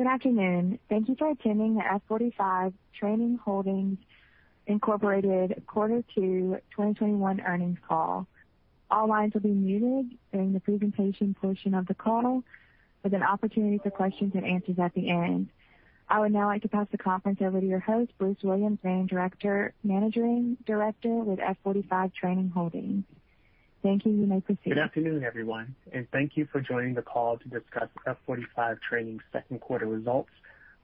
Good afternoon. Thank you for attending the F45 Training Holdings Inc. quarter two 2021 earnings call. All lines will be muted during the presentation portion of the call, with an opportunity for questions and answers at the end. I would now like to pass the conference over to your host, Bruce Williams, Managing Director with F45 Training Holdings. Thank you. You may proceed. Good afternoon, everyone, and thank you for joining the call to discuss F45 Training's second quarter results,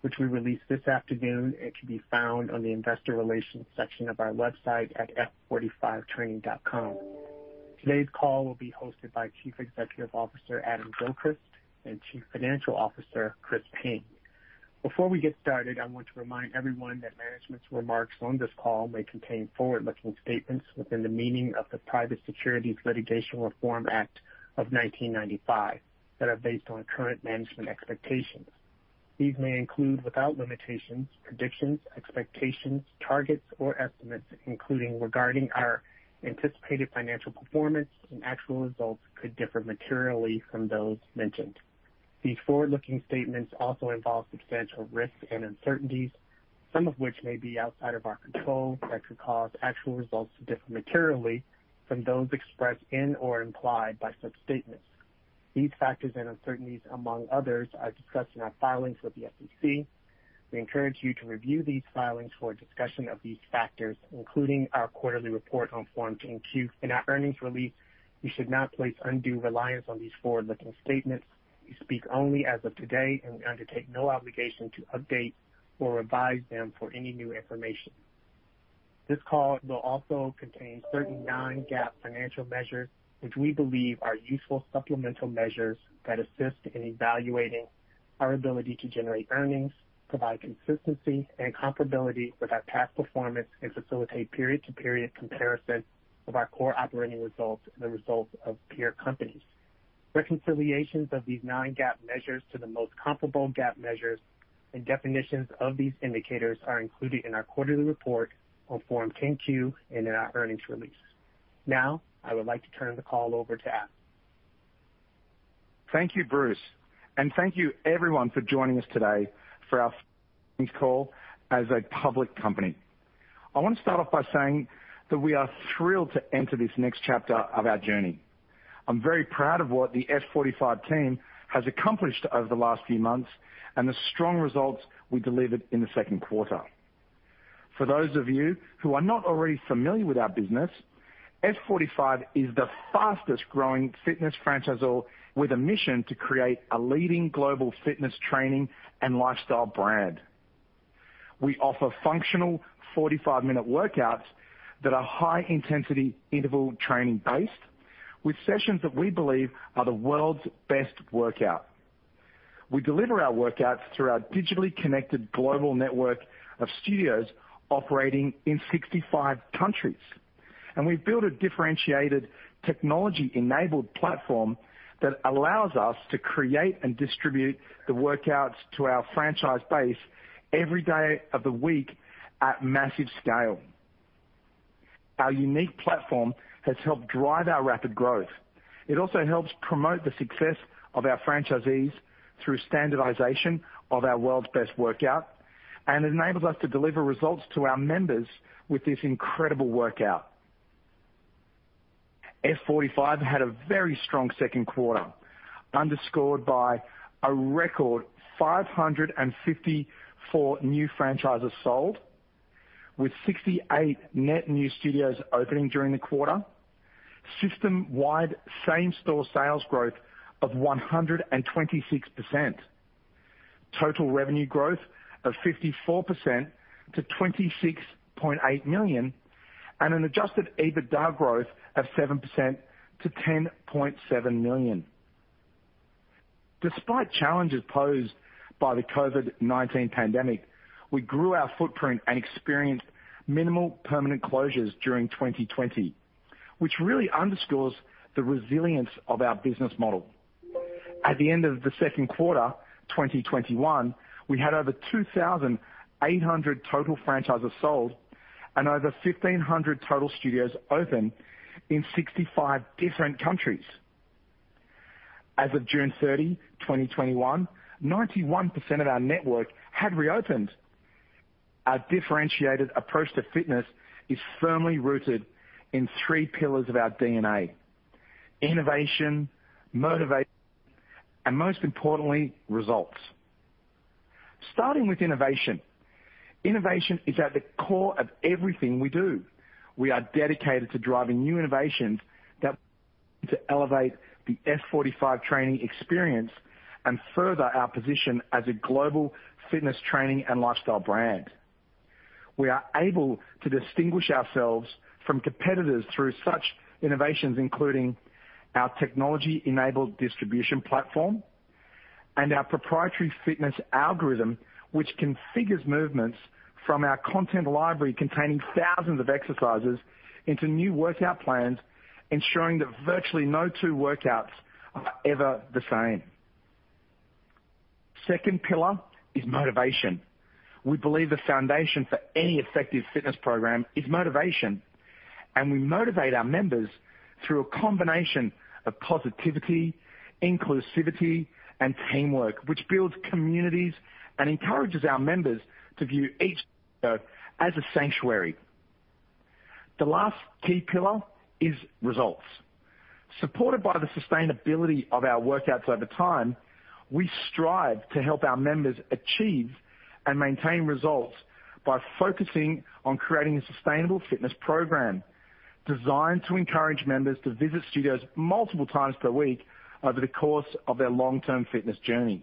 which we released this afternoon and can be found on the investor relations section of our website at f45training.com. Today's call will be hosted by Chief Executive Officer, Adam Gilchrist, and Chief Financial Officer, Chris Payne. Before we get started, I want to remind everyone that management's remarks on this call may contain forward-looking statements within the meaning of the Private Securities Litigation Reform Act of 1995 that are based on current management expectations. These may include, without limitation, predictions, expectations, targets, or estimates, including regarding our anticipated financial performance. Actual results could differ materially from those mentioned. These forward-looking statements also involve substantial risks and uncertainties, some of which may be outside of our control, that could cause actual results to differ materially from those expressed in or implied by such statements. These factors and uncertainties, among others, are discussed in our filings with the SEC. We encourage you to review these filings for a discussion of these factors, including our quarterly report on Form 10-Q and our earnings release. You should not place undue reliance on these forward-looking statements. We speak only as of today and we undertake no obligation to update or revise them for any new information. This call will also contain certain non-GAAP financial measures, which we believe are useful supplemental measures that assist in evaluating our ability to generate earnings, provide consistency and comparability with our past performance, and facilitate period-to-period comparison of our core operating results and the results of peer companies. Reconciliations of these non-GAAP measures to the most comparable GAAP measures and definitions of these indicators are included in our quarterly report on Form 10-Q and in our earnings release. Now, I would like to turn the call over to Adam. Thank you, Bruce. Thank you everyone for joining us today for our call as a public company. I want to start off by saying that we are thrilled to enter this next chapter of our journey. I'm very proud of what the F45 team has accomplished over the last few months and the strong results we delivered in the second quarter. For those of you who are not already familiar with our business, F45 is the fastest-growing fitness franchise with a mission to create a leading global fitness training and lifestyle brand. We offer functional 45-minute workouts that are high-intensity interval training based, with sessions that we believe are the world's best workout. We deliver our workouts through our digitally connected global network of studios operating in 65 countries. We've built a differentiated technology-enabled platform that allows us to create and distribute the workouts to our franchise base every day of the week at massive scale. Our unique platform has helped drive our rapid growth. It also helps promote the success of our franchisees through standardization of our world's best workout and enables us to deliver results to our members with this incredible workout. F45 had a very strong second quarter, underscored by a record 554 new franchises sold, with 68 net new studios opening during the quarter, system-wide same-store sales growth of 126%, total revenue growth of 54% to $26.8 million, and an adjusted EBITDA growth of 7% to $10.7 million. Despite challenges posed by the COVID-19 pandemic, we grew our footprint and experienced minimal permanent closures during 2020, which really underscores the resilience of our business model. At the end of the second quarter 2021, we had over 2,800 total franchises sold and over 1,500 total studios open in 65 different countries. As of June 30, 2021, 91% of our network had reopened. Our differentiated approach to fitness is firmly rooted in three pillars of our DNA: innovation, motivation, and most importantly, results. Starting with innovation. Innovation is at the core of everything we do. We are dedicated to driving new innovations that elevate the F45 Training experience and further our position as a global fitness training and lifestyle brand. We are able to distinguish ourselves from competitors through such innovations, including our technology-enabled distribution platform and our proprietary fitness algorithm, which configures movements from our content library containing thousands of exercises into new workout plans, ensuring that virtually no two workouts are ever the same. Second pillar is motivation. We believe the foundation for any effective fitness program is motivation, and we motivate our members through a combination of positivity, inclusivity, and teamwork, which builds communities and encourages our members to view each studio as a sanctuary. The last key pillar is results. Supported by the sustainability of our workouts over time, we strive to help our members achieve and maintain results by focusing on creating a sustainable fitness program designed to encourage members to visit studios multiple times per week over the course of their long-term fitness journey.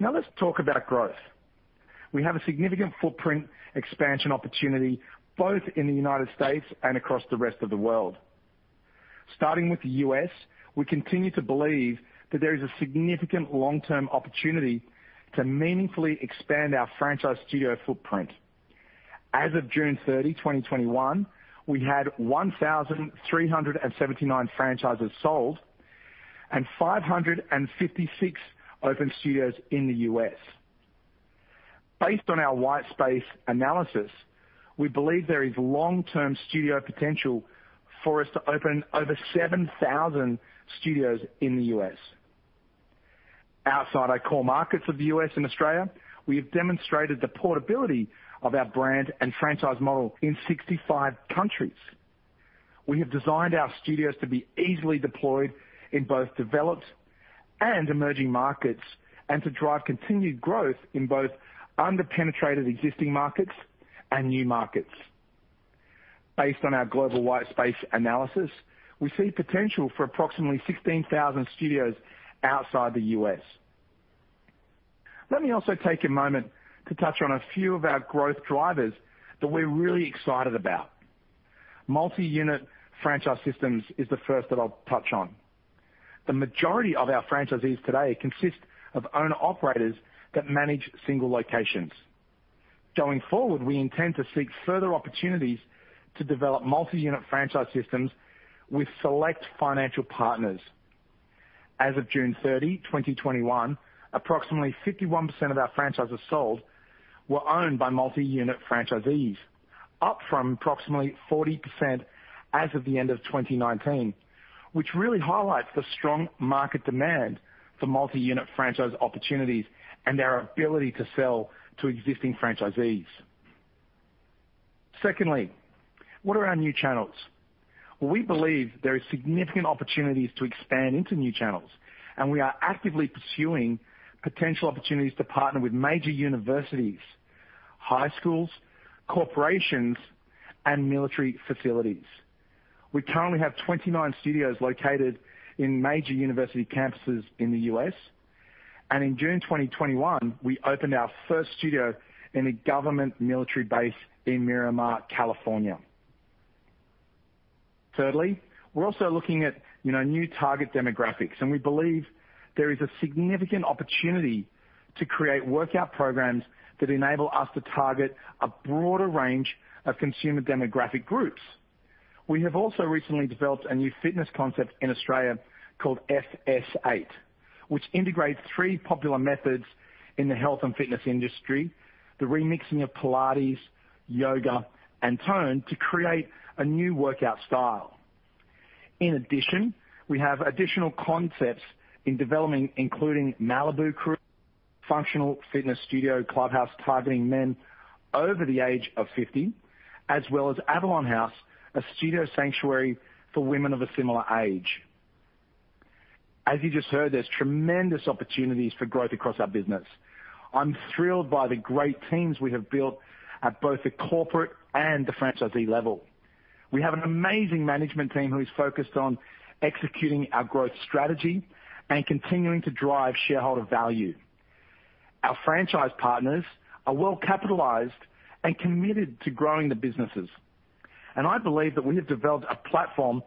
Let's talk about growth. We have a significant footprint expansion opportunity both in the United States and across the rest of the world. Starting with the U.S., we continue to believe that there is a significant long-term opportunity to meaningfully expand our franchise studio footprint. As of June 30, 2021, we had 1,379 franchises sold and 556 open studios in the U.S. Based on our white space analysis, we believe there is long-term studio potential for us to open over 7,000 studios in the U.S. Outside our core markets of the U.S. and Australia, we have demonstrated the portability of our brand and franchise model in 65 countries. We have designed our studios to be easily deployed in both developed and emerging markets, and to drive continued growth in both under-penetrated existing markets and new markets. Based on our global white space analysis, we see potential for approximately 16,000 studios outside the U.S. Let me also take a moment to touch on a few of our growth drivers that we're really excited about. Multi-unit franchise systems is the first that I'll touch on. The majority of our franchisees today consist of owner-operators that manage single locations. Going forward, we intend to seek further opportunities to develop multi-unit franchise systems with select financial partners. As of June 30, 2021, approximately 51% of our franchises sold were owned by multi-unit franchisees, up from approximately 40% as of the end of 2019, which really highlights the strong market demand for multi-unit franchise opportunities and our ability to sell to existing franchisees. Secondly, what are our new channels? We believe there are significant opportunities to expand into new channels, and we are actively pursuing potential opportunities to partner with major universities, high schools, corporations, and military facilities. We currently have 29 studios located in major university campuses in the U.S. In June 2021, we opened our first studio in a government military base in Miramar, California. Thirdly, we're also looking at new target demographics. We believe there is a significant opportunity to create workout programs that enable us to target a broader range of consumer demographic groups. We have also recently developed a new fitness concept in Australia called FS8, which integrates three popular methods in the health and fitness industry, the remixing of Pilates, yoga, and tone to create a new workout style. In addition, we have additional concepts in development, including Malibu Crew, a functional fitness studio clubhouse targeting men over the age of 50, as well as Avalon House, a studio sanctuary for women of a similar age. As you just heard, there's tremendous opportunities for growth across our business. I'm thrilled by the great teams we have built at both the corporate and the franchisee level. We have an amazing management team who is focused on executing our growth strategy and continuing to drive shareholder value. Our franchise partners are well-capitalized and committed to growing the businesses, and I believe that we have developed a platform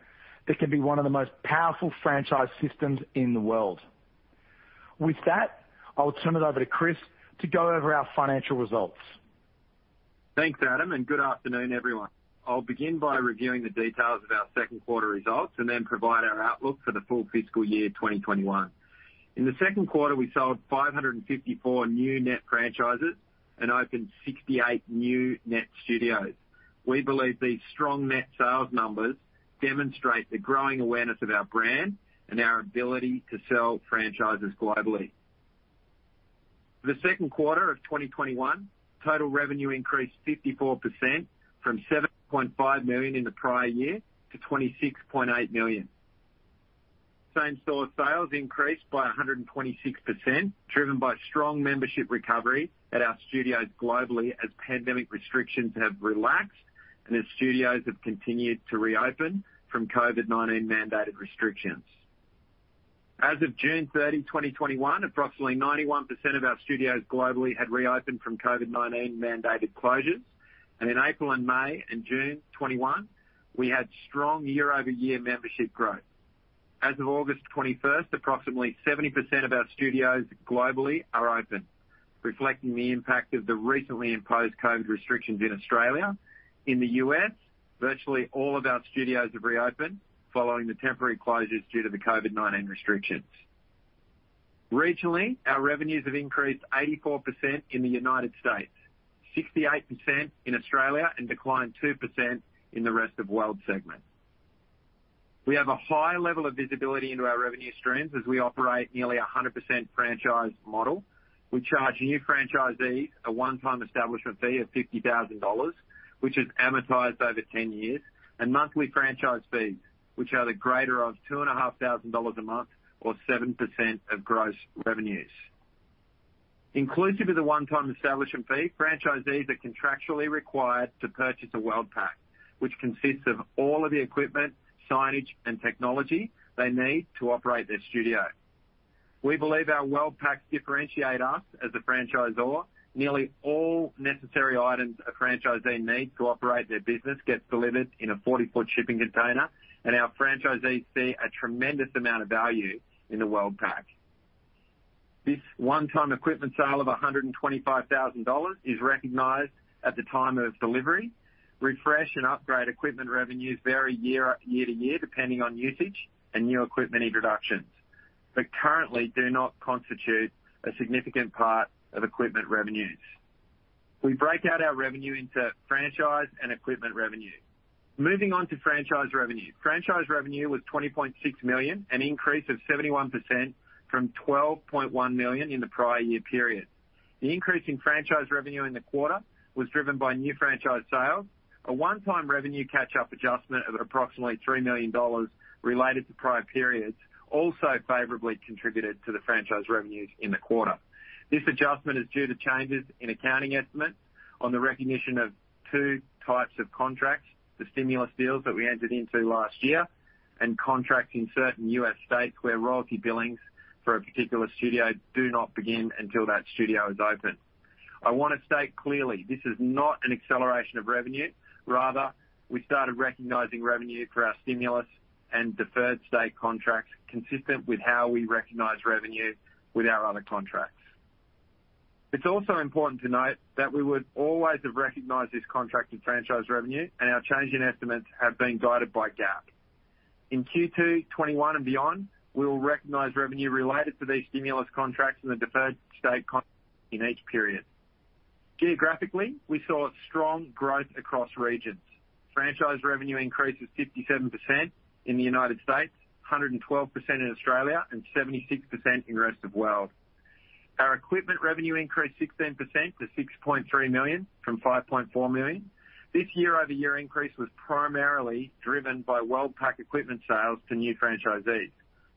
that can be one of the most powerful franchise systems in the world. I'll turn it over to Chris to go over our financial results. Thanks, Adam. Good afternoon, everyone. I'll begin by reviewing the details of our second quarter results and then provide our outlook for the full FY 2021. In the second quarter, we sold 554 new net franchises and opened 68 new net studios. We believe these strong net sales numbers demonstrate the growing awareness of our brand and our ability to sell franchises globally. For the second quarter of 2021, total revenue increased 54%, from $7.5 million in the prior year to $26.8 million. Same-store sales increased by 126%, driven by strong membership recovery at our studios globally as pandemic restrictions have relaxed and as studios have continued to reopen from COVID-19 mandated restrictions. As of June 30, 2021, approximately 91% of our studios globally had reopened from COVID-19 mandated closures. In April and May and June 2021, we had strong year-over-year membership growth. As of August 21st, approximately 70% of our studios globally are open, reflecting the impact of the recently imposed COVID restrictions in Australia. In the U.S., virtually all of our studios have reopened following the temporary closures due to the COVID-19 restrictions. Regionally, our revenues have increased 84% in the United States, 68% in Australia, and declined 2% in the rest of world segments. We have a high level of visibility into our revenue streams as we operate nearly 100% franchise model. We charge new franchisees a one-time establishment fee of $50,000, which is amortized over 10 years, and monthly franchise fees, which are the greater of $2,500 a month or 7% of gross revenues. Inclusive of the one-time establishment fee, franchisees are contractually required to purchase a World Pack, which consists of all of the equipment, signage, and technology they need to operate their studio. We believe our World Packs differentiate us as a franchisor. Nearly all necessary items a franchisee needs to operate their business gets delivered in a 40-foot shipping container, and our franchisees see a tremendous amount of value in the World Pack. This one-time equipment sale of $125,000 is recognized at the time of delivery. Refresh & Upgrade equipment revenues vary year to year depending on usage and new equipment introductions, but currently do not constitute a significant part of equipment revenues. We break out our revenue into franchise and equipment revenue. Moving on to franchise revenue. Franchise revenue was $20.6 million, an increase of 71% from $12.1 million in the prior year period. The increase in franchise revenue in the quarter was driven by new franchise sales. A one-time revenue catch-up adjustment of approximately $3 million related to prior periods also favorably contributed to the franchise revenues in the quarter. This adjustment is due to changes in accounting estimates on the recognition of two types of contracts, the stimulus deals that we entered into last year, and contracts in certain U.S. states where royalty billings for a particular studio do not begin until that studio is open. I want to state clearly, this is not an acceleration of revenue. Rather, we started recognizing revenue for our stimulus and deferred state contracts consistent with how we recognize revenue with our other contracts. It's also important to note that we would always have recognized this contract in franchise revenue, and our change in estimates have been guided by GAAP. In Q2 2021 and beyond, we will recognize revenue related to these stimulus contracts and the deferred state con- in each period. Geographically, we saw strong growth across regions. Franchise revenue increased to 57% in the U.S., 112% in Australia, and 76% in rest of world. Our equipment revenue increased 16% to $6.3 million from $5.4 million. This year-over-year increase was primarily driven by World Pack equipment sales to new franchisees.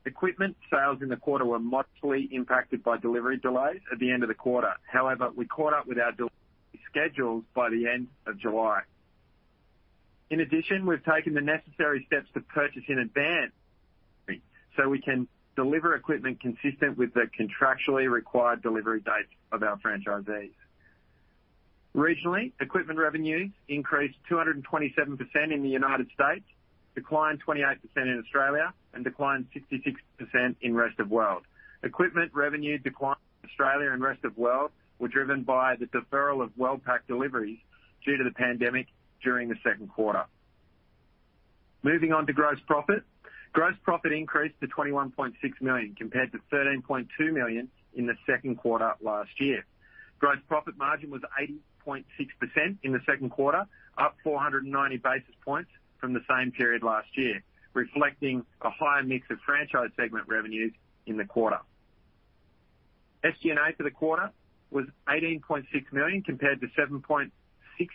Equipment sales in the quarter were modestly impacted by delivery delays at the end of the quarter. We caught up with our delivery schedules by the end of July. We've taken the necessary steps to purchase in advance so we can deliver equipment consistent with the contractually required delivery dates of our franchisees. Regionally, equipment revenues increased 227% in the U.S., declined 28% in Australia, and declined 66% in rest of world. Equipment revenue declines in Australia and rest of world were driven by the deferral of World Pack deliveries due to the pandemic during the second quarter. Moving on to gross profit. Gross profit increased to $21.6 million compared to $13.2 million in the second quarter of last year. Gross profit margin was 80.6% in the second quarter, up 490 basis points from the same period last year, reflecting a higher mix of franchise segment revenues in the quarter. SG&A for the quarter was $18.6 million compared to $7.6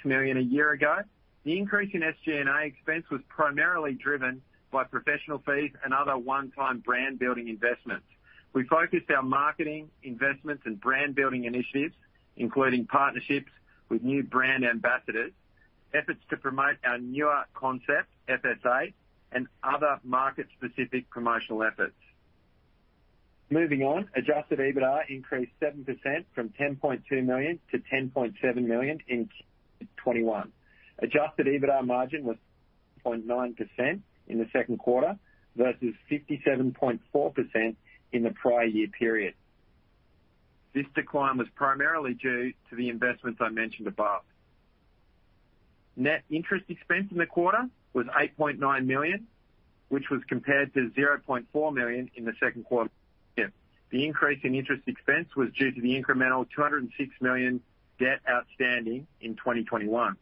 million a year ago. The increase in SG&A expense was primarily driven by professional fees and other one-time brand-building investments. We focused our marketing investments and brand-building initiatives, including partnerships with new brand ambassadors, efforts to promote our newer concept, FS8, and other market-specific promotional efforts. Moving on. Adjusted EBITDA increased 7% from $10.2 million to $10.7 million in Q2 2021. Adjusted EBITDA margin was 0.9% in the second quarter versus 57.4% in the prior year period. This decline was primarily due to the investments I mentioned above. Net interest expense in the quarter was $8.9 million, which was compared to $0.4 million in the second quarter of last year. The increase in interest expense was due to the incremental $206 million debt outstanding in 2021.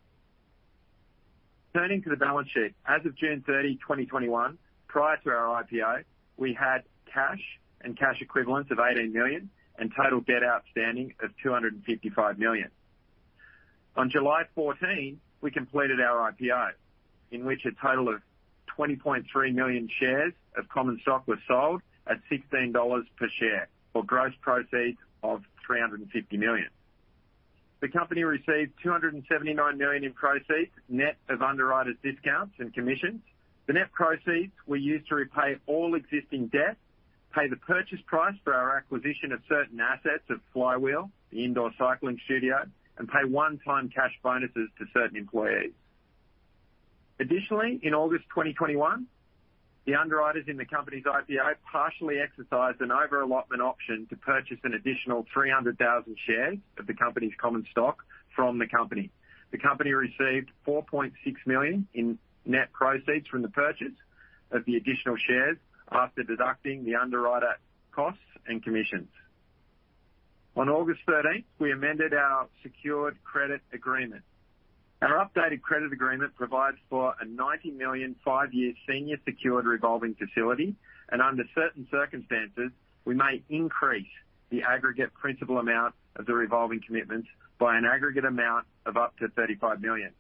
Turning to the balance sheet. As of June 30, 2021, prior to our IPO, we had cash and cash equivalents of $18 million and total debt outstanding of $255 million. On July 14, we completed our IPO, in which a total of 20.3 million shares of common stock were sold at $16 per share, or gross proceeds of $350 million. The company received $279 million in proceeds, net of underwriters' discounts and commissions. The net proceeds were used to repay all existing debt, pay the purchase price for our acquisition of certain assets of Flywheel, the indoor cycling studio, and pay one-time cash bonuses to certain employees. Additionally, in August 2021, the underwriters in the company's IPO partially exercised an over-allotment option to purchase an additional 300,000 shares of the company's common stock from the company. The company received $4.6 million in net proceeds from the purchase of the additional shares after deducting the underwriter costs and commissions. On August 13th, we amended our secured credit agreement. Our updated credit agreement provides for a $90 million, five-year senior secured revolving facility, and under certain circumstances, we may increase the aggregate principal amount of the revolving commitments by an aggregate amount of up to $35 million.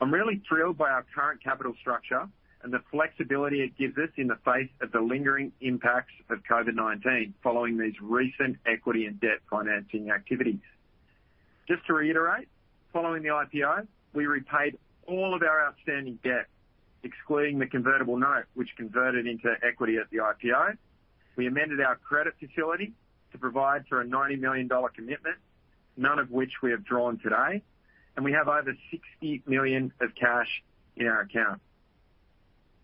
I'm really thrilled by our current capital structure and the flexibility it gives us in the face of the lingering impacts of COVID-19 following these recent equity and debt financing activities. Just to reiterate, following the IPO, we repaid all of our outstanding debt, excluding the convertible note, which converted into equity at the IPO. We amended our credit facility to provide for a $90 million commitment, none of which we have drawn to date. We have over $60 million of cash in our account.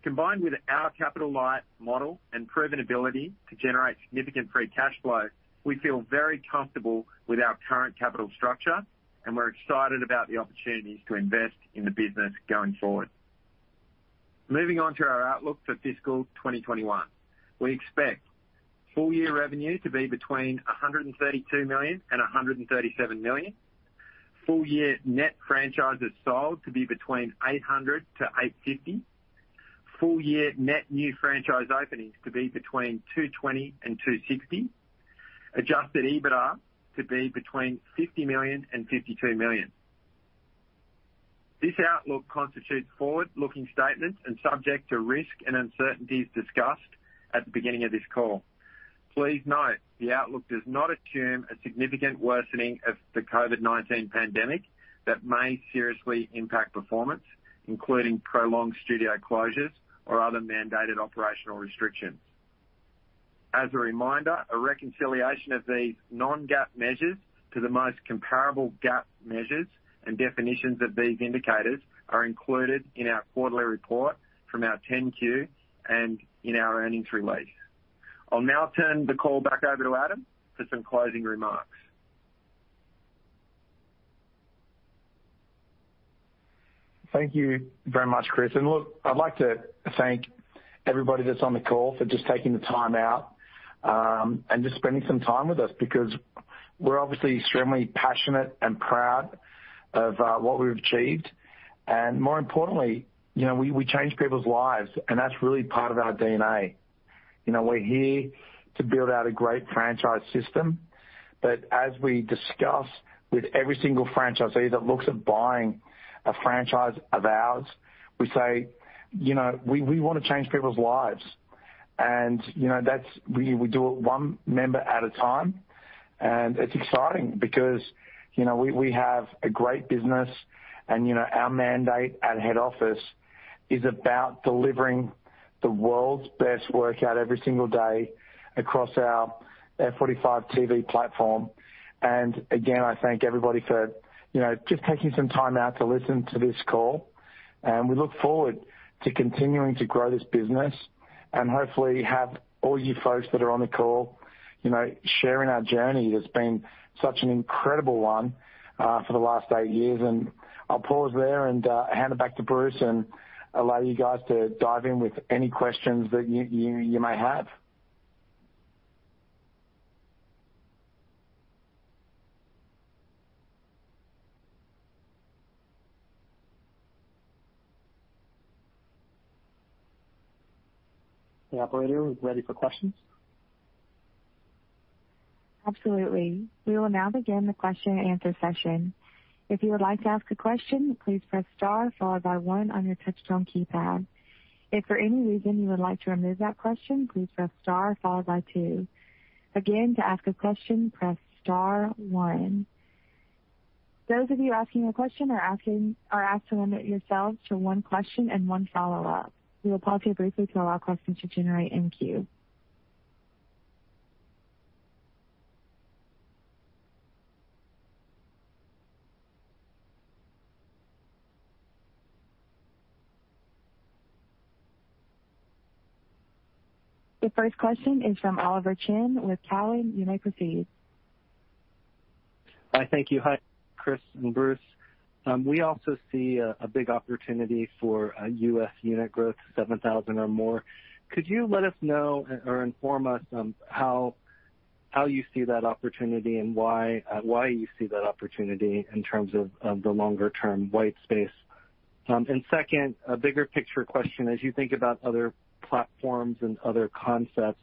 Combined with our capital-light model and proven ability to generate significant free cash flow, we feel very comfortable with our current capital structure, and we're excited about the opportunities to invest in the business going forward. Moving on to our outlook for fiscal 2021. We expect full-year revenue to be between $132 million and $137 million. Full-year net franchises sold to be between 800-850. Full-year net new franchise openings to be between 220 and 260. Adjusted EBITDA to be between $50 million and $52 million. This outlook constitutes forward-looking statements and subject to risk and uncertainties discussed at the beginning of this call. Please note, the outlook does not assume a significant worsening of the COVID-19 pandemic that may seriously impact performance, including prolonged studio closures or other mandated operational restrictions. As a reminder, a reconciliation of these non-GAAP measures to the most comparable GAAP measures and definitions of these indicators are included in our quarterly report from our 10-Q and in our earnings release. I'll now turn the call back over to Adam for some closing remarks. Thank you very much, Chris. Look, I'd like to thank everybody that's on the call for just taking the time out, and just spending some time with us, because we're obviously extremely passionate and proud of what we've achieved. More importantly, we change people's lives, and that's really part of our DNA. We're here to build out a great franchise system. As we discuss with every single franchisee that looks at buying a franchise of ours, we say, "We want to change people's lives." We do it one member at a time. It's exciting because we have a great business and our mandate at head office is about delivering the world's best workout every single day across our F45 TV platform. Again, I thank everybody for just taking some time out to listen to this call. We look forward to continuing to grow this business and hopefully have all you folks that are on the call sharing our journey. It's been such an incredible one for the last eight years. I'll pause there and hand it back to Bruce and allow you guys to dive in with any questions that you may have. Operator, we're ready for questions. Absolutely. We will now begin the question and answer session. If you would like to ask a question, please press star followed by one on your touchtone keypad. If for any reason you would like to remove that question, please press star followed by two. Again, to ask a question, press star one. Those of you asking a question are asked to limit yourselves to one question and one follow-up. We will pause here briefly to allow questions to generate in queue. The first question is from Oliver Chen with Cowen. You may proceed. Thank you. Hi, Chris and Bruce. We also see a big opportunity for U.S. unit growth, 7,000 or more. Could you let us know or inform us on how you see that opportunity and why you see that opportunity in terms of the longer-term white space? Second, a bigger picture question, as you think about other platforms and other concepts,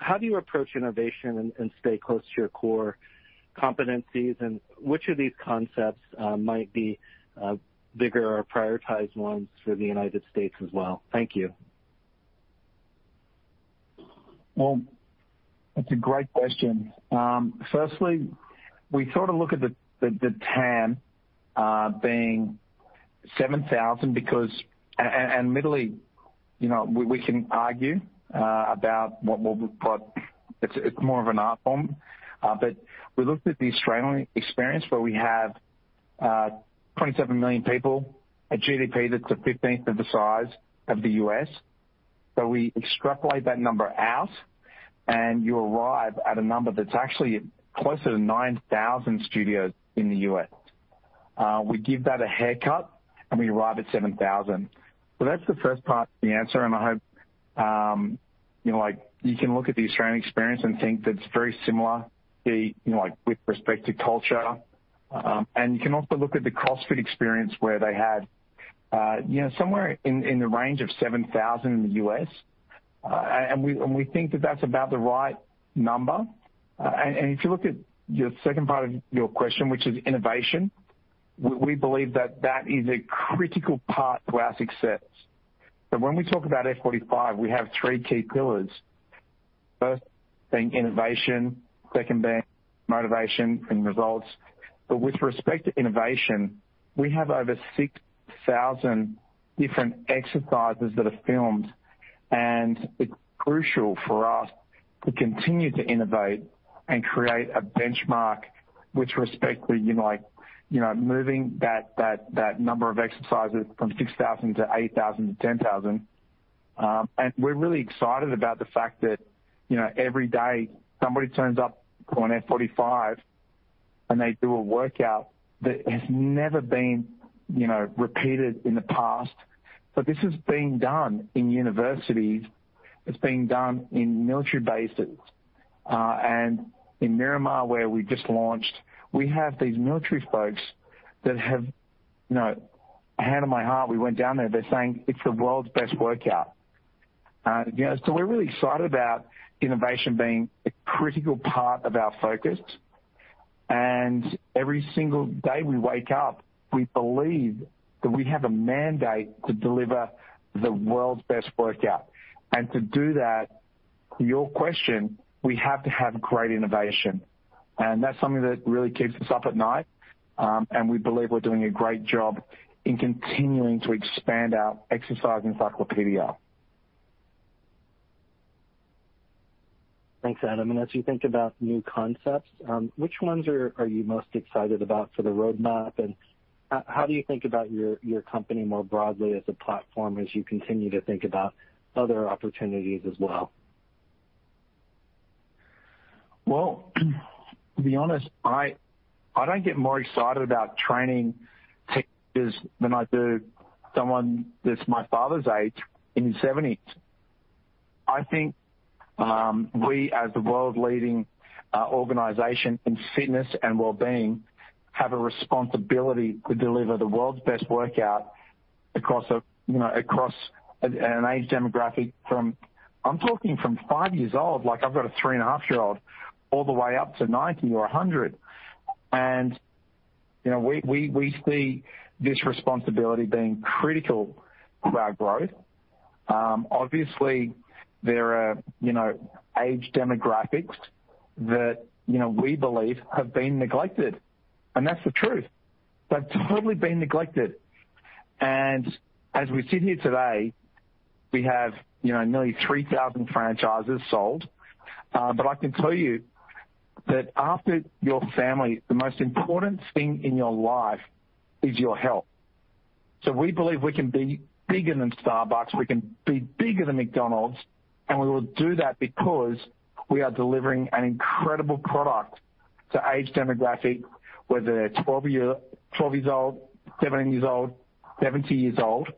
how do you approach innovation and stay close to your core competencies? Which of these concepts might be bigger or prioritized ones for the United States as well? Thank you. Well, that's a great question. Firstly, we sort of look at the TAM being 7,000 admittedly. We can argue about what we've got. It's more of an art form. We looked at the Australian experience, where we have 27 million people, a GDP that's a 15th of the size of the U.S. We extrapolate that number out, and you arrive at a number that's actually closer to 9,000 studios in the U.S. We give that a haircut, and we arrive at 7,000. That's the first part of the answer, and I hope you can look at the Australian experience and think that it's very similar, with respect to culture. You can also look at the CrossFit experience, where they had somewhere in the range of 7,000 in the U.S., and we think that that's about the right number. If you look at your second part of your question, which is innovation, we believe that that is a critical part to our success. When we talk about F45, we have three key pillars. First being innovation, second being motivation and results. With respect to innovation, we have over 6,000 different exercises that are filmed. It's crucial for us to continue to innovate and create a benchmark with respect to moving that number of exercises from 6,000-8,000 to 10,000. We're really excited about the fact that every day somebody turns up for an F45, and they do a workout that has never been repeated in the past. This is being done in universities, it's being done in military bases. In Miramar, where we just launched, we have these military folks that have, hand on my heart, we went down there, they're saying it's the world's best workout. We're really excited about innovation being a critical part of our focus. Every single day we wake up, we believe that we have a mandate to deliver the world's best workout. To do that, to your question, we have to have great innovation. That's something that really keeps us up at night. We believe we're doing a great job in continuing to expand our exercise encyclopedia. Thanks, Adam. As you think about new concepts, which ones are you most excited about for the roadmap, and how do you think about your company more broadly as a platform, as you continue to think about other opportunities as well? Well, to be honest, I don't get more excited about training teenagers than I do someone that's my father's age, in his 70s. I think we, as the world-leading organization in fitness and wellbeing, have a responsibility to deliver the world's best workout across an age demographic from, I'm talking from five years old, I've got a three-and-a-half-year-old, all the way up to 90 or 100. We see this responsibility being critical to our growth. Obviously, there are age demographics that we believe have been neglected, and that's the truth. They've totally been neglected. As we sit here today, we have nearly 3,000 franchises sold. But I can tell you that after your family, the most important thing in your life is your health. We believe we can be bigger than Starbucks, we can be bigger than McDonald's, and we will do that because we are delivering an incredible product to age demographic, whether they're 12 years old, 17 years old, 70 years old.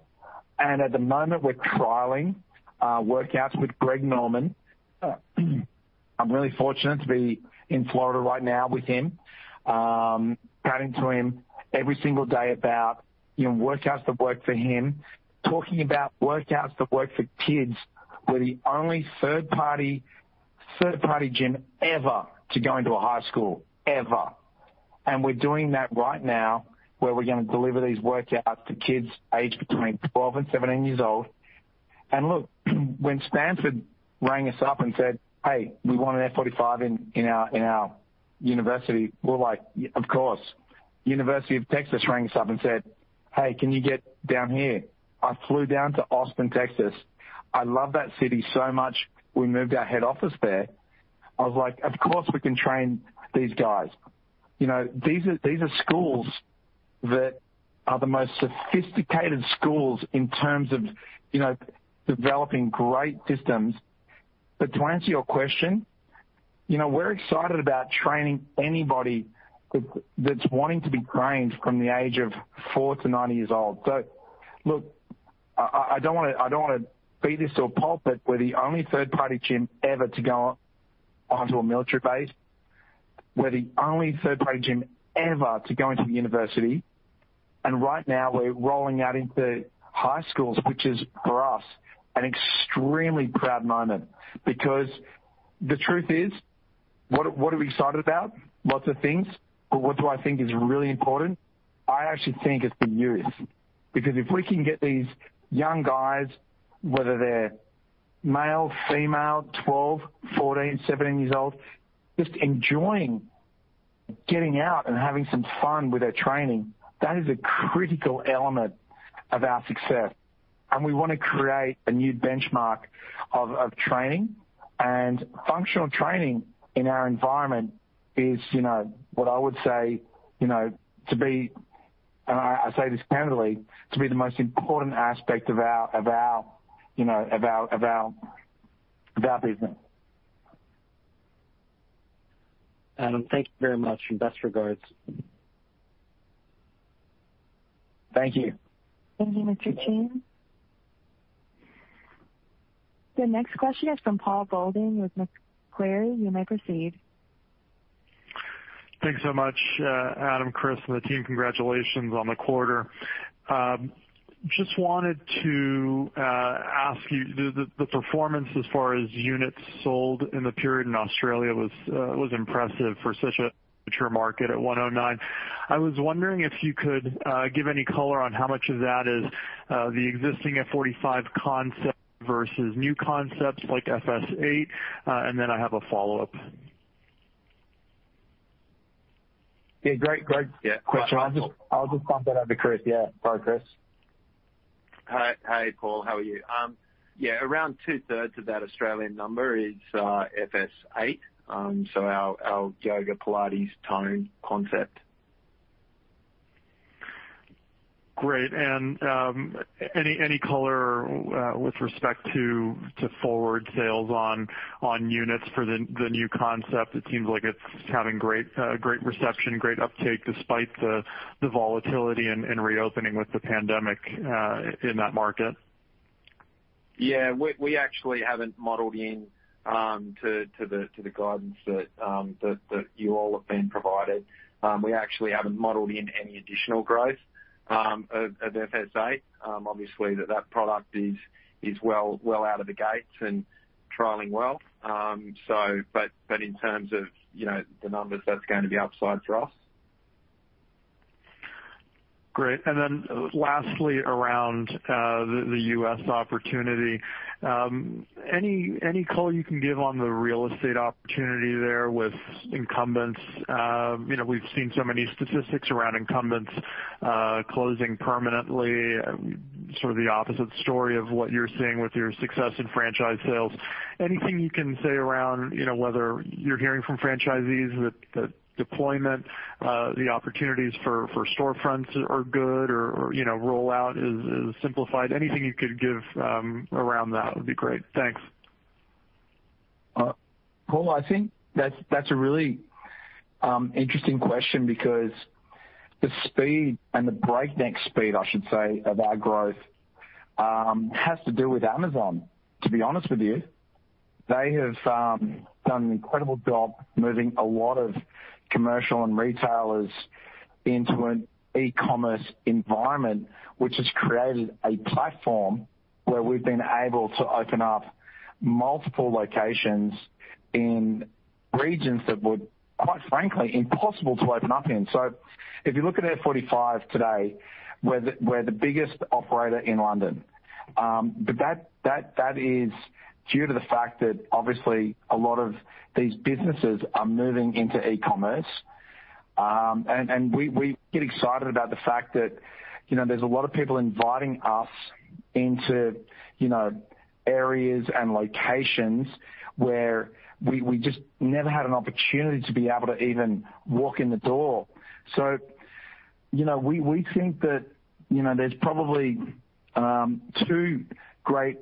At the moment, we're trialing workouts with Greg Norman. I'm really fortunate to be in Florida right now with him, chatting to him every single day about workouts that work for him, talking about workouts that work for kids. We're the only third-party gym ever to go into a high school, ever. We're doing that right now, where we're going to deliver these workouts to kids aged between 12 and 17 years old. Look, when Stanford rang us up and said, "Hey, we want an F45 in our university." We're like, "Of course." University of Texas rang us up and said, "Hey, can you get down here?" I flew down to Austin, Texas. I love that city so much, we moved our head office there. I was like, "Of course, we can train these guys." These are schools that are the most sophisticated schools in terms of developing great systems. To answer your question, we're excited about training anybody that's wanting to be trained from the age of 4-90 years old. Look, I don't want to beat this to a pulpit. We're the only third-party gym ever to go onto a military base. We're the only third-party gym ever to go into a university. Right now, we're rolling out into high schools, which is, for us, an extremely proud moment. The truth is, what are we excited about? Lots of things. What do I think is really important? I actually think it's the youth. If we can get these young guys, whether they're male, female, 12, 14, 17 years old, just getting out and having some fun with our training, that is a critical element of our success. We want to create a new benchmark of training. Functional training in our environment is what I would say to be, and I say this candidly, to be the most important aspect of our business. Adam, thank you very much, and best regards. Thank you. Thank you, Mr. Chen. The next question is from Paul Golding with Macquarie. You may proceed. Thanks so much, Adam, Chris, and the team. Congratulations on the quarter. Wanted to ask you, the performance as far as units sold in the period in Australia was impressive for such a mature market at 109. I was wondering if you could give any color on how much of that is the existing F45 concept versus new concepts like FS8. I have a follow-up. Great question. I'll just bump that over to Chris. Sorry, Chris. Hi, Paul. How are you? Yeah, around two-thirds of that Australian number is FS8, our Yoga, Pilates, Tone concept. Great. Any color with respect to forward sales on units for the new concept? It seems like it's having great reception, great uptake despite the volatility and reopening with the Pandemic in that market. Yeah. We actually haven't modeled in to the guidance that you all have been provided. We actually haven't modeled in any additional growth of FS8. Obviously that product is well out of the gates and trialing well. In terms of the numbers, that's going to be upside for us. Great. Lastly, around the U.S. opportunity. Any color you can give on the real estate opportunity there with incumbents? We've seen so many statistics around incumbents closing permanently, sort of the opposite story of what you're seeing with your success in franchise sales. Anything you can say around whether you're hearing from franchisees that deployment, the opportunities for storefronts are good or rollout is simplified. Anything you could give around that would be great. Thanks. Paul, I think that's a really interesting question because the speed, and the breakneck speed I should say, of our growth has to do with Amazon, to be honest with you. They have done an incredible job moving a lot of commercial and retailers into an e-commerce environment, which has created a platform where we've been able to open up multiple locations in regions that were, quite frankly, impossible to open up in. If you look at F45 today, we're the biggest operator in London. That is due to the fact that obviously a lot of these businesses are moving into e-commerce. We get excited about the fact that there's a lot of people inviting us into areas and locations where we just never had an opportunity to be able to even walk in the door. We think that there's probably two great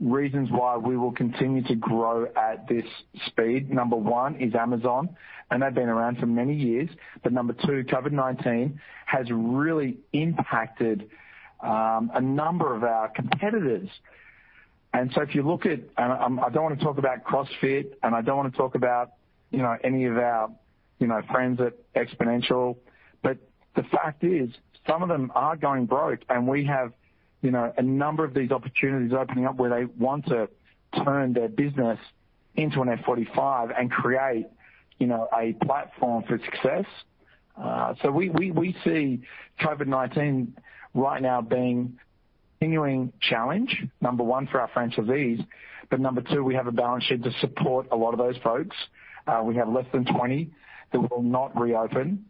reasons why we will continue to grow at this speed. Number one is Amazon, and they've been around for many years. Number two, COVID-19 has really impacted a number of our competitors. If you look at, and I don't want to talk about CrossFit, and I don't want to talk about any of our friends at Xponential. The fact is, some of them are going broke. We have a number of these opportunities opening up where they want to turn their business into an F45 and create a platform for success. We see COVID-19 right now being a continuing challenge, number 1 for our franchisees. Number two, we have a balance sheet to support a lot of those folks. We have less than 20 that will not reopen.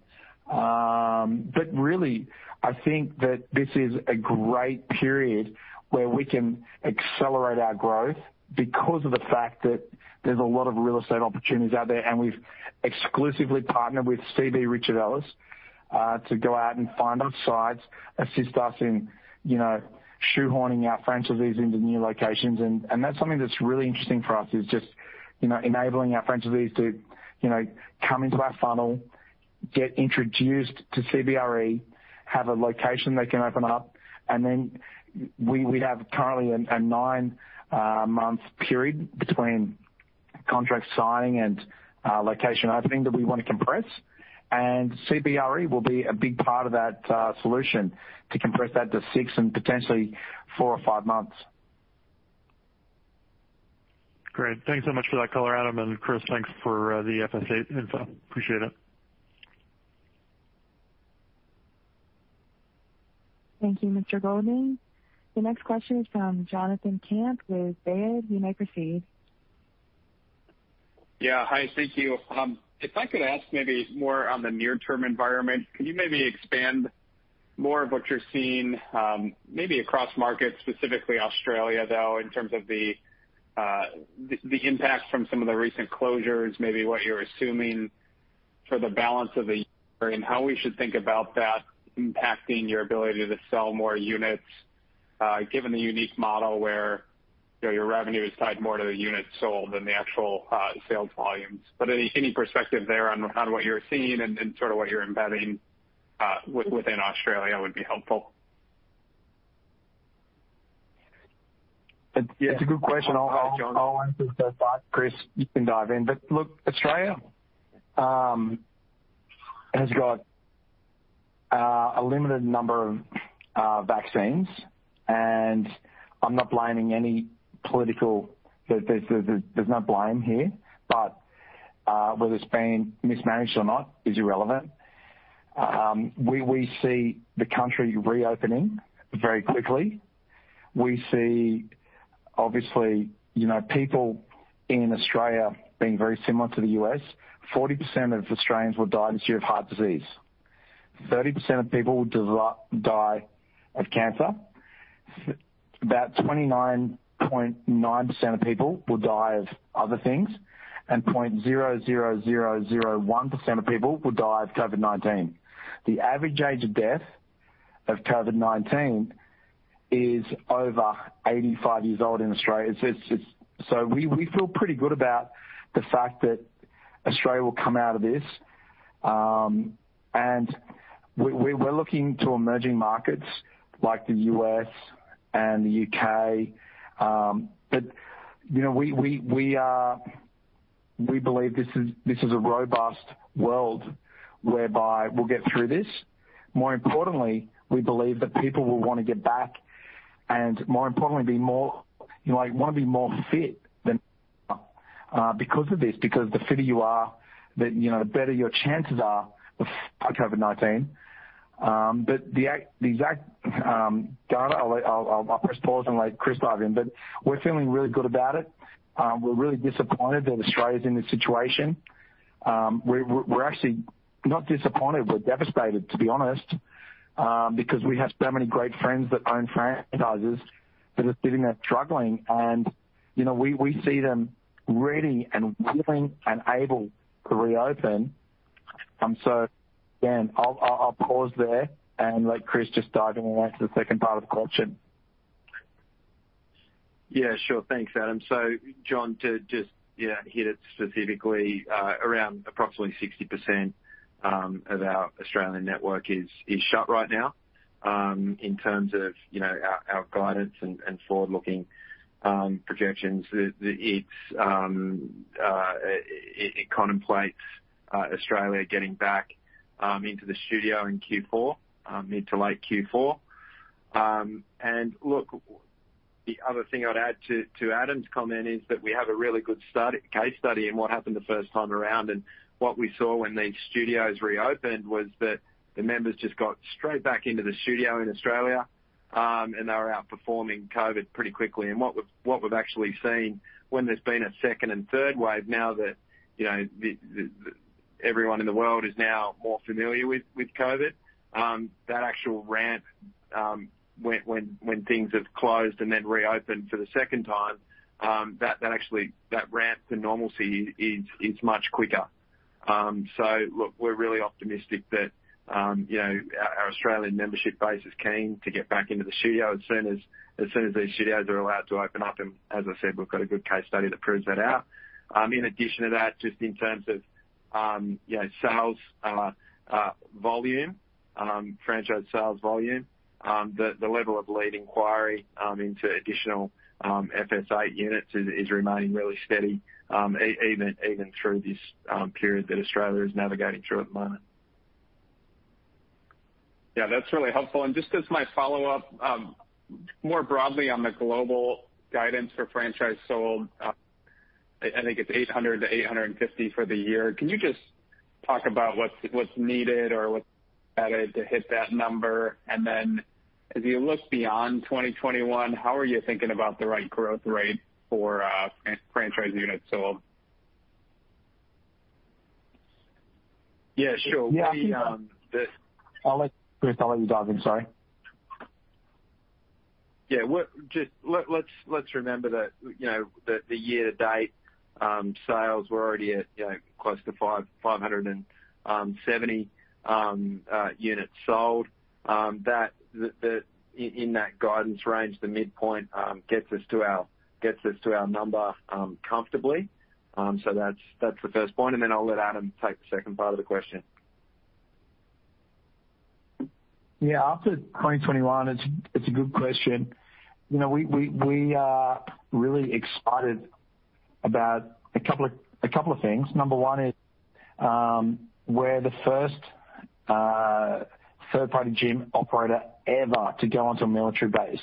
Really, I think that this is a great period where we can accelerate our growth because of the fact that there's a lot of real estate opportunities out there. We've exclusively partnered with CB Richard Ellis to go out and find us sites, assist us in shoehorning our franchisees into new locations. That's something that's really interesting for us, is just enabling our franchisees to come into our funnel, get introduced to CBRE, have a location they can open up. Then we have currently a nine-month period between contract signing and location opening that we want to compress. CBRE will be a big part of that solution to compress that to six and potentially four or five months. Great. Thanks so much for that color, Adam. Chris, thanks for the FS8 info. Appreciate it. Thank you, Mr. Golding. The next question is from Jonathan Komp with Baird. You may proceed. Yeah. Hi. Thank you. If I could ask maybe more on the near-term environment. Can you maybe expand more of what you're seeing, maybe across markets, specifically Australia, though, in terms of the impact from some of the recent closures, maybe what you're assuming for the balance of the year and how we should think about that impacting your ability to sell more units, given the unique model where your revenue is tied more to the units sold than the actual sales volumes. Any perspective there on what you're seeing and sort of what you're embedding within Australia would be helpful. It is a good question. I will answer first. Chris, you can dive in. Look, Australia has got a limited number of vaccines. I am not blaming any political. There is no blame here. Whether it has been mismanaged or not is irrelevant. We see the country reopening very quickly. We see, obviously, people in Australia being very similar to the U.S. 40% of Australians will die this year of heart disease. 30% of people will die of cancer. About 29.9% of people will die of other things. 0.00001% of people will die of COVID-19. The average age of death of COVID-19 is over 85 years old in Australia. We feel pretty good about the fact that Australia will come out of this. We are looking to emerging markets like the U.S. and the U.K. We believe this is a robust world whereby we will get through this. More importantly, we believe that people will want to get back and, more importantly, want to be more fit than because of this. Because the fitter you are, the better your chances are of COVID-19. The exact, I'll press pause and let Chris dive in. We're feeling really good about it. We're really disappointed that Australia's in this situation. We're actually not disappointed, we're devastated, to be honest, because we have so many great friends that own franchises that are sitting there struggling. We see them ready and willing and able to reopen. Again, I'll pause there and let Chris just dive in and answer the second part of the question. Thanks, Adam. John, to just hit it specifically, around approximately 60% of our Australian network is shut right now. In terms of our guidance and forward-looking projections, it contemplates Australia getting back into the studio in Q4, mid to late Q4. Look, the other thing I'd add to Adam's comment is that we have a really good case study in what happened the first time around. What we saw when these studios reopened was that the members just got straight back into the studio in Australia, and they were outperforming COVID pretty quickly. What we've actually seen when there's been a second and third wave, now that everyone in the world is now more familiar with COVID, that actual ramp, when things have closed and then reopened for the second time, that ramp to normalcy is much quicker. Look, we're really optimistic that our Australian membership base is keen to get back into the studio as soon as these studios are allowed to open up. As I said, we've got a good case study that proves that out. In addition to that, just in terms of sales volume, franchise sales volume, the level of lead inquiry into additional FS8 units is remaining really steady, even through this period that Australia is navigating through at the moment. Yeah, that's really helpful. Just as my follow-up, more broadly on the global guidance for franchise sold, I think it's 800-850 for the year. Can you just talk about what's needed or what's added to hit that number? As you look beyond 2021, how are you thinking about the right growth rate for franchise units sold? Yeah, sure. I'll let Chris dive in. Sorry. Yeah. Let's remember that the year-to-date sales were already at close to 570 units sold. In that guidance range, the midpoint gets us to our number comfortably. That's the first point, and then I'll let Adam take the second part of the question. Yeah. After 2021, it's a good question. We are really excited about a couple of things. Number one is, we're the first third-party gym operator ever to go onto a military base.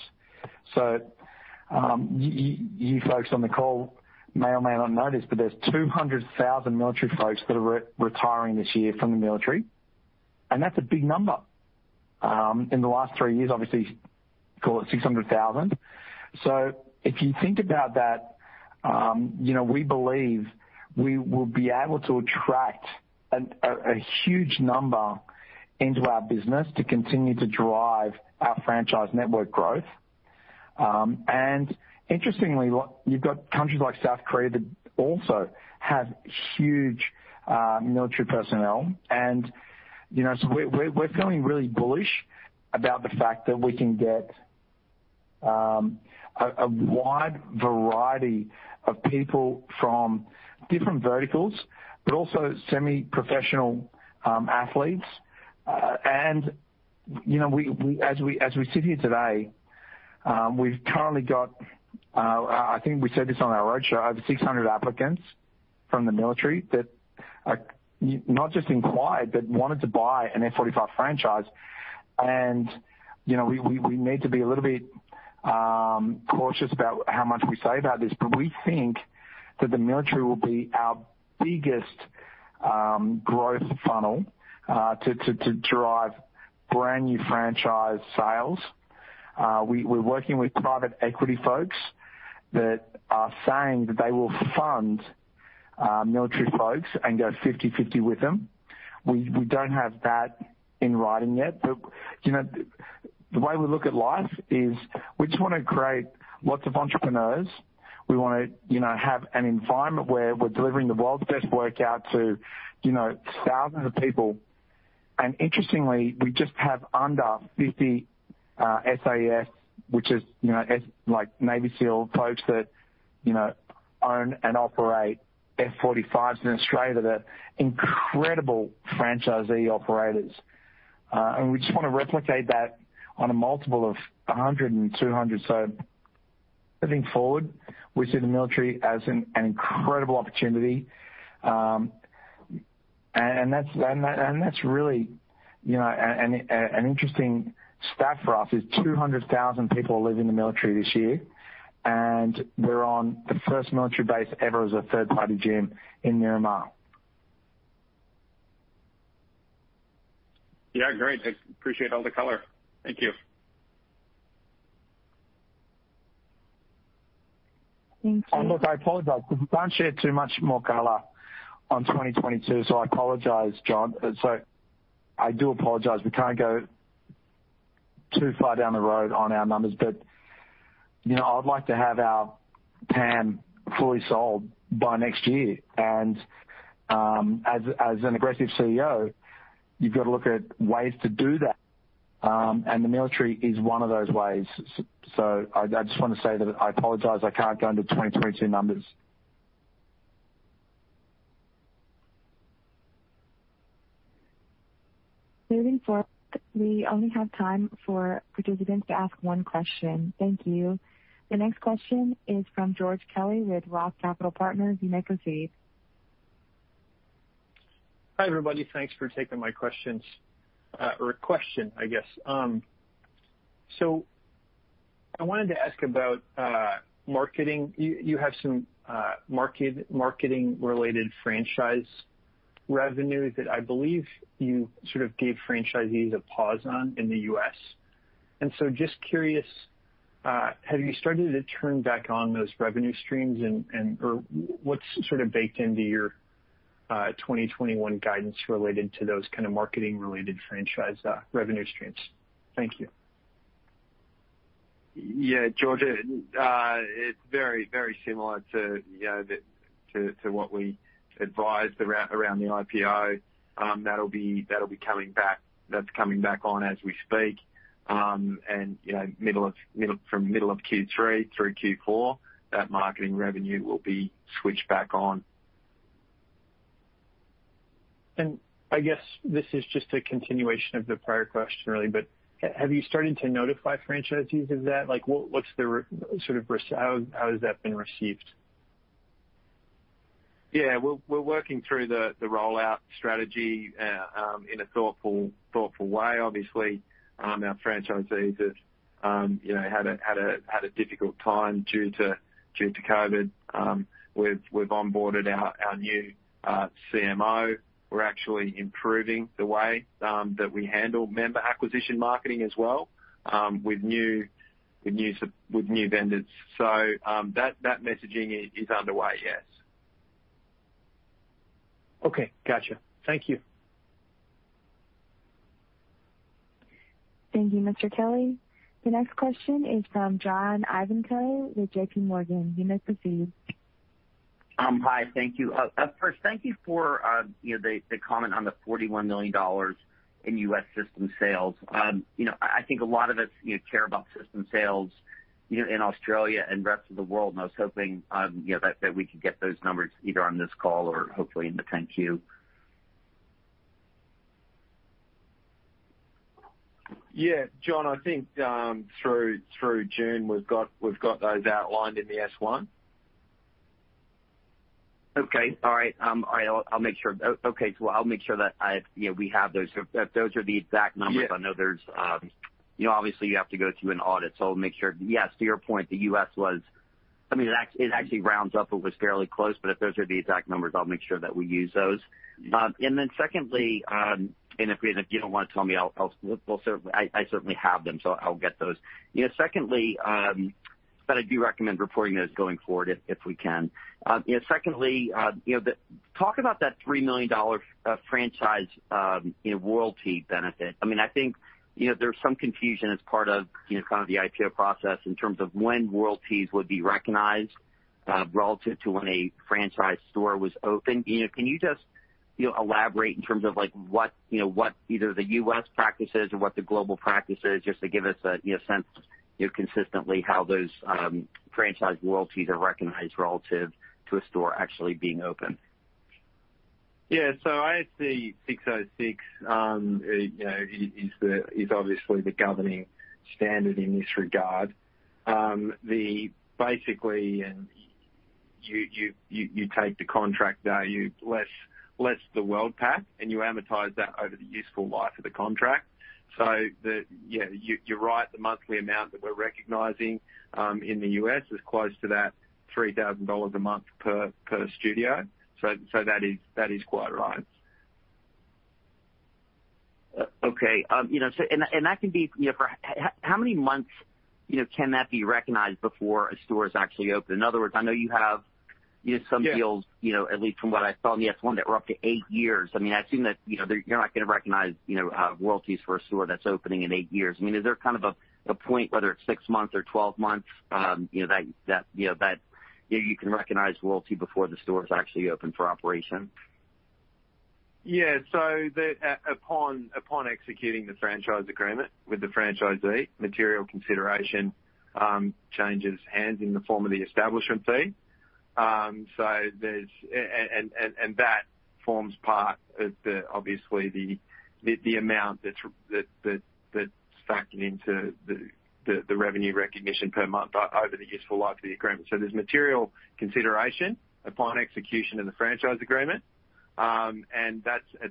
You folks on the call may or may not know this, but there's 200,000 military folks that are retiring this year from the military, and that's a big number. In the last three years, obviously, call it 600,000. If you think about that, we believe we will be able to attract a huge number into our business to continue to drive our franchise network growth. Interestingly, you've got countries like South Korea that also have huge military personnel. We're feeling really bullish about the fact that we can get a wide variety of people from different verticals, but also semi-professional athletes. As we sit here today, we've currently got, I think we said this on our roadshow, over 600 applicants from the military that not just inquired, but wanted to buy an F45 franchise. We need to be a little bit cautious about how much we say about this, but we think that the military will be our biggest growth funnel to drive brand new franchise sales. We're working with private equity folks that are saying that they will fund military folks and go 50/50 with them. We don't have that in writing yet. The way we look at life is we just want to create lots of entrepreneurs. We want to have an environment where we're delivering the world's best workout to thousands of people. Interestingly, we just have under 50 SASR, which is Navy SEAL folks that own and operate F45s in Australia, that incredible franchisee operators. We just want to replicate that on a multiple of 100 and 200. Moving forward, we see the military as an incredible opportunity. That's really an interesting stat for us, is 200,000 people leaving the military this year, and we're on the first military base ever as a third-party gym in Miramar. Yeah, great. I appreciate all the color. Thank you. Thank you. Look, I apologize. We can't share too much more color on 2022. I apologize, John. I do apologize. We can't go too far down the road on our numbers. I would like to have our TAM fully sold by next year. As an aggressive CEO, you've got to look at ways to do that. The military is one of those ways. I just want to say that I apologize, I can't go into 2022 numbers. Moving forward, we only have time for participants to ask one question. Thank you. The next question is from George Kelly with Roth Capital Partners. You may proceed. Hi, everybody. Thanks for taking my questions. Or question, I guess. I wanted to ask about marketing. You have some marketing-related franchise revenue that I believe you sort of gave franchisees a pause on in the U.S. Just curious, have you started to turn back on those revenue streams and, or what's sort of baked into your 2021 guidance related to those kind of marketing-related franchise revenue streams? Thank you. George, it's very similar to what we advised around the IPO. That'll be coming back. That's coming back on as we speak. From middle of Q3 through Q4, that marketing revenue will be switched back on. I guess this is just a continuation of the prior question, really. Have you started to notify franchisees of that? How has that been received? We're working through the rollout strategy in a thoughtful way. Obviously, our franchisees have had a difficult time due to COVID-19. We've onboarded our new CMO. We're actually improving the way that we handle member acquisition marketing as well with new vendors. That messaging is underway, yes. Okay. Got you. Thank you. Thank you, Mr. Kelly. The next question is from John Ivankoe with JPMorgan. You may proceed. Hi. Thank you. First, thank you for the comment on the $41 million in U.S. system sales. I think a lot of us care about system sales in Australia and rest of the world, and I was hoping that we could get those numbers either on this call or hopefully in the 10-Q. Yeah. John, I think through June, we've got those outlined in the S-1. Okay. All right. I'll make sure that we have those. If those are the exact numbers, I know there's. Obviously, you have to go through an audit, so I'll make sure. Yes, to your point, the U.S. was. It actually rounds up. It was fairly close. If those are the exact numbers, I'll make sure that we use those. Then secondly, and if you don't want to tell me, I certainly have them, so I'll get those. I do recommend reporting those going forward if we can. Secondly, talk about that $3 million franchise in royalty benefit. I think there's some confusion as part of the IPO process in terms of when royalties would be recognized relative to when a franchise store was opened. Can you just elaborate in terms of what either the U.S. practice is or what the global practice is, just to give us a sense consistently how those franchise royalties are recognized relative to a store actually being open? Yeah. ASC 606 is obviously the governing standard in this regard. Basically, you take the contract value less the World Pack, and you amortize that over the useful life of the contract. Yeah, you're right. The monthly amount that we're recognizing in the U.S. is close to that $3,000 a month per studio. That is quite right. Okay. How many months can that be recognized before a store is actually open? In other words, I know you have some deals, at least from what I saw in the S-1, that were up to eight years. I assume that you're not going to recognize royalties for a store that's opening in eight years. Is there a point, whether it's 6 months or 12 months, that you can recognize royalty before the store is actually open for operation? Yeah. Upon executing the franchise agreement with the franchisee, material consideration changes hands in the form of the establishment fee. That forms part of, obviously, the amount that's stacked into the revenue recognition per month over the useful life of the agreement. There's material consideration upon execution of the franchise agreement. At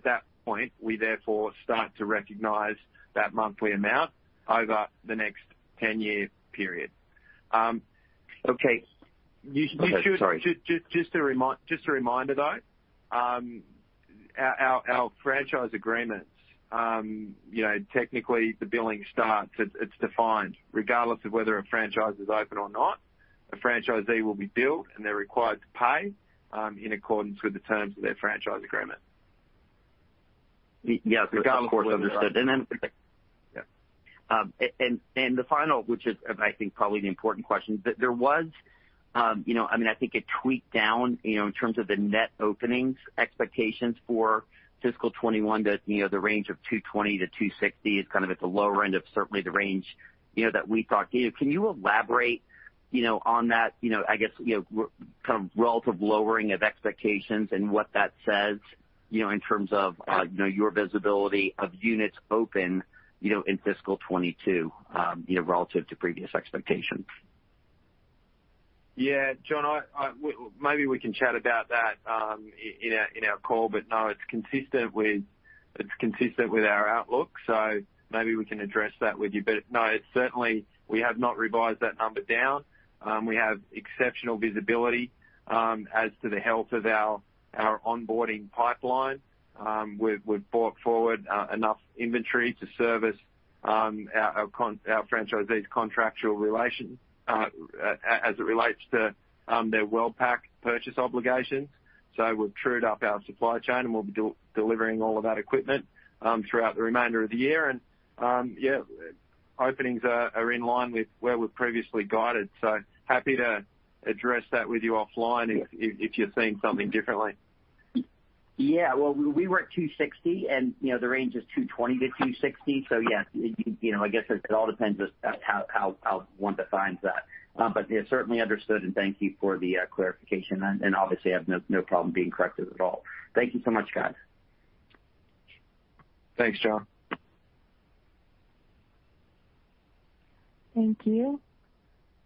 that point, we therefore start to recognize that monthly amount over the next 10-year period. Okay. Just a reminder, though, our franchise agreements, technically, the billing starts. It's defined. Regardless of whether a franchise is open or not, a franchisee will be billed, and they're required to pay in accordance with the terms of their franchise agreement. Yes, of course, understood. Yeah. The final, which is, I think, probably the important question. There was I think, a tweak down in terms of the net openings expectations for fiscal 2021. The range of 220-260 is at the lower end of certainly the range that we thought. Can you elaborate on that, I guess, relative lowering of expectations and what that says in terms of your visibility of units open in fiscal 2022 relative to previous expectations? Yeah. John, maybe we can chat about that in our call. No, it's consistent with our outlook, so maybe we can address that with you. No, certainly, we have not revised that number down. We have exceptional visibility as to the health of our onboarding pipeline. We've brought forward enough inventory to service our franchisees' contractual relations as it relates to their World Pack purchase obligations. We've trued up our supply chain, and we'll be delivering all of that equipment throughout the remainder of the year. Openings are in line with where we've previously guided. Happy to address that with you offline if you're seeing something differently. Well, we were at 260, the range is 220-260. I guess it all depends how one defines that. Certainly understood, thank you for the clarification. Obviously, I have no problem being corrected at all. Thank you so much, guys. Thanks, John. Thank you.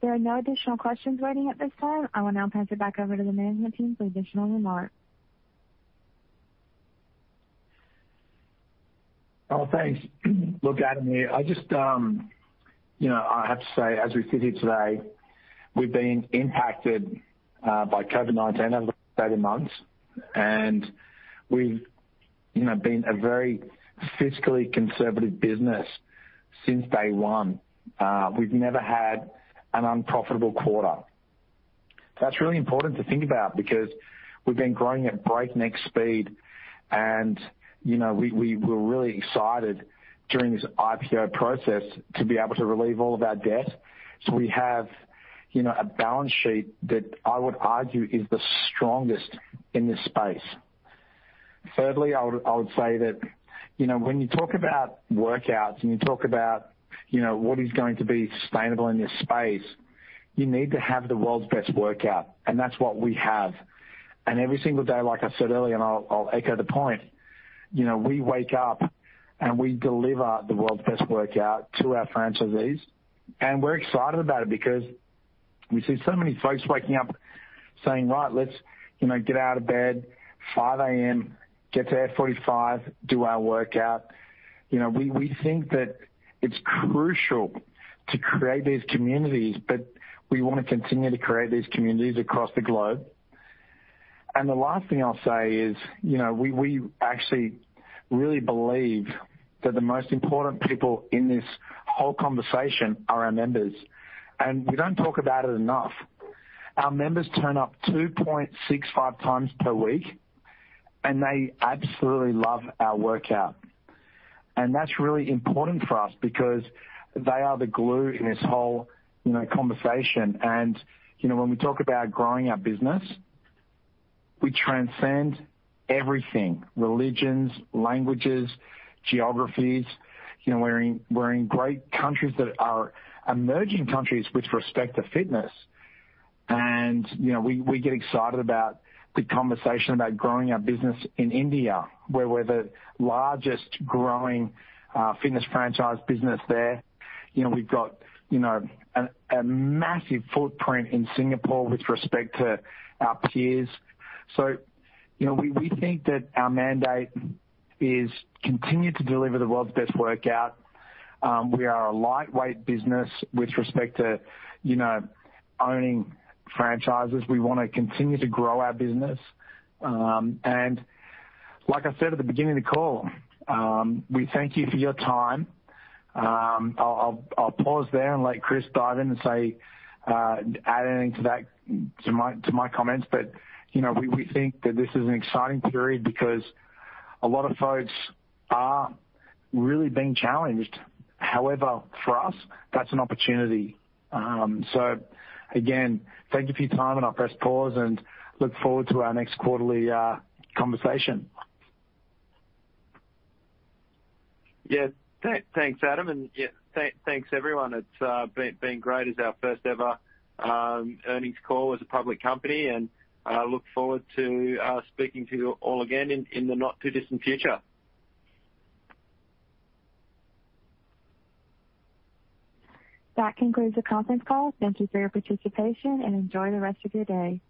There are no additional questions waiting at this time. I will now pass it back over to the management team for additional remarks. Oh, thanks. Look, Adam here. I have to say, as we sit here today, we've been impacted by COVID-19 over the past eight months. We've been a very fiscally conservative business since day one. We've never had an unprofitable quarter. That's really important to think about because we've been growing at breakneck speed. We were really excited during this IPO process to be able to relieve all of our debt. We have a balance sheet that I would argue is the strongest in this space. Thirdly, I would say that when you talk about workouts and you talk about what is going to be sustainable in this space, you need to have the world's best workout. That's what we have. Every single day, like I said earlier, and I'll echo the point, we wake up and we deliver the world's best workout to our franchisees. We're excited about it because we see so many folks waking up saying, "Right, let's get out of bed, 5:00 A.M., get to F45, do our workout." We think that it's crucial to create these communities, but we want to continue to create these communities across the globe. The last thing I'll say is, we actually really believe that the most important people in this whole conversation are our members. We don't talk about it enough. Our members turn up 2.65x per week, and they absolutely love our workout. That's really important for us because they are the glue in this whole conversation. When we talk about growing our business, we transcend everything, religions, languages, geographies. We're in great countries that are emerging countries with respect to fitness. We get excited about the conversation about growing our business in India, where we're the largest growing fitness franchise business there. We've got a massive footprint in Singapore with respect to our peers. We think that our mandate is continue to deliver the world's best workout. We are a lightweight business with respect to owning franchises. We want to continue to grow our business. Like I said at the beginning of the call, we thank you for your time. I'll pause there and let Chris dive in and add anything to my comments. We think that this is an exciting period because a lot of folks are really being challenged. However, for us, that's an opportunity. Again, thank you for your time, and I'll press pause and look forward to our next quarterly conversation. Yeah, thanks, Adam. Yeah, thanks everyone. It's been great. It's our first-ever earnings call as a public company, and I look forward to speaking to you all again in the not too distant future. That concludes the conference call. Thank you for your participation, and enjoy the rest of your day.